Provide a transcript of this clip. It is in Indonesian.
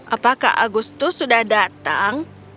apakah agustus sudah datang